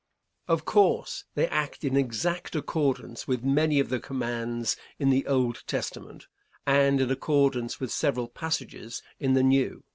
Of course, they act in exact accordance with many of the commands in the Old Testament, and in accordance with several passages in the New.